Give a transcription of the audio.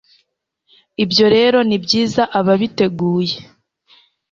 ibyo rero ni byiza ababiteguye